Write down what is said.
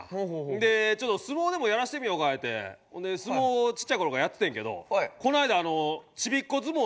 でちょっと相撲でもやらせてみようかいうてほんで相撲をちっちゃい頃からやっててんけどこの間あのちびっこ相撲の全国大会いったんや。